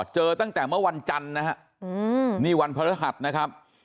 เจอตั้งแต่เมื่อวันจันทร์นะฮะนี่วันพระฤหัสนะครับ